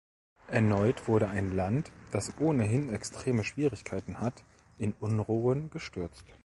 Erneut wurde ein Land, das ohnehin extreme Schwierigkeiten hat, in Unruhen gestürzt.